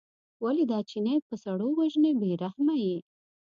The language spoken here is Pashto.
ولې دا چینی په سړو وژنې بې رحمه یې.